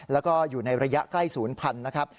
แล้วก็อยู่ในระยะใกล้๐๐๐๐นะครับ